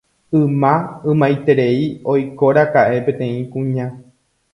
Yma, ymaiterei oikóraka'e peteĩ kuña